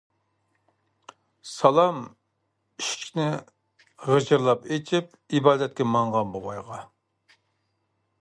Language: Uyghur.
سالام ئىشىكىنى غىچىرلاپ ئېچىپ، ئىبادەتكە ماڭغان بوۋايغا.